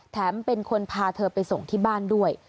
แถมเป็นคนพาเธอไปส่งที่บ้านด้วย